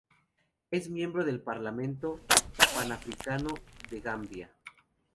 Es miembro del Parlamento Panafricano de Gambia.